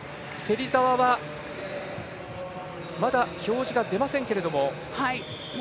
芹澤はまだ表示が出ませんけれども。